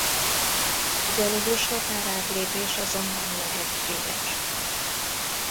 A gyalogos határátlépés azonban lehetséges.